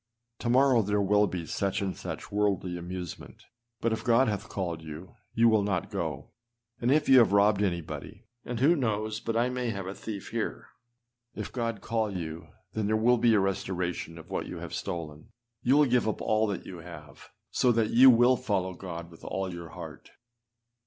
â To morrow, there will be such and such worldly amusement, but if God hath called you, you will not go. And if you have robbed anybody (and who knows but I may have a thief 330 ClassicChristianLibrary.com 73 Effectual Calling Luke 19:5 here?) If God call you, there will be a restoration of what you have stolen? you will give up all that you have, so that you will follow God with all your heart.